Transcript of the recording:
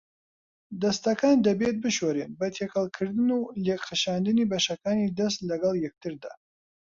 دەستەکان دەبێت بشورێن بە تێکەڵکردن و لێکخشاندنی بەشەکانی دەست لەگەڵ یەکتردا.